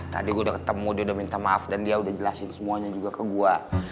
tadi gue udah ketemu dia udah minta maaf dan dia udah jelasin semuanya juga ke gue